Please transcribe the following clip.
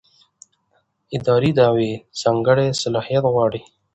اداري دعوې ځانګړی صلاحیت غواړي.